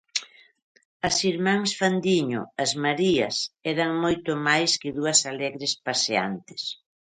As irmás Fandiño, as Marías, eran moito máis que dúas alegres paseantes.